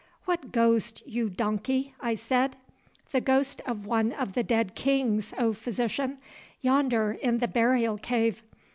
"What ghost, you donkey?" I said. "The ghost of one of the dead kings, O Physician, yonder in the burial cave.